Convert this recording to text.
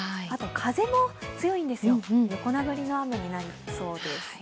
あと、風も強いんですよ、横殴りの雨になりそうです。